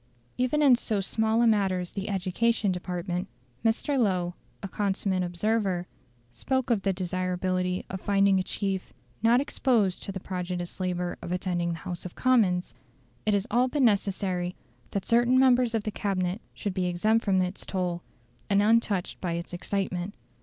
Even in so small a matter as the Education Department, Mr. Lowe, a consummate observer, spoke of the desirability of finding a chief "not exposed to the prodigious labour of attending the House of Commons". It is all but necessary that certain members of the Cabinet should be exempt from its toil, and untouched by its excitement.